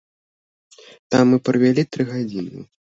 Там мы правялі тры гадзіны.